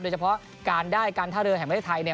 โดยเฉพาะการได้การท่าเรือแห่งประเทศไทย